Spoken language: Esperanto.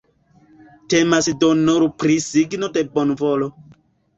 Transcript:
Temas do nur pri signo de bonvolo.